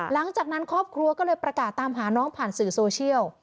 หลังจากนั้นครอบครัวก็เลยประกาศตามหาน้องผ่านสื่อโซเชียล